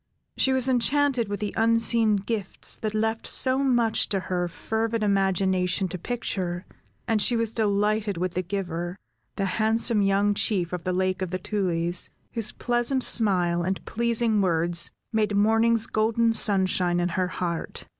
She was enchanted with the unseen gifts that left so much to her fervid imagination to picture, and she was delighted with the giver, the handsome young Chief of the Lake of the Tulies, whose pleasant smile, and pleasing words, made morning's golden sunshine in her heart.